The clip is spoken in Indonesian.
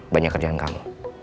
banyak kerjaan kamu